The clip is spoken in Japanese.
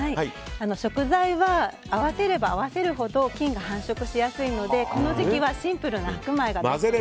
食材は合わせれば合わせるほど菌が繁殖しやすいのでこの時期はシンプルな白米がいいですね。